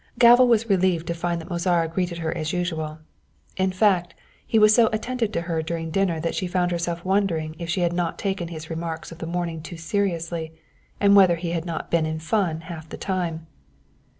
Galva was relieved to find that Mozara greeted her as usual. In fact, he was so attentive to her during dinner that she found herself wondering if she had not taken his remarks of the morning too seriously, and whether he had not been in fun half the time.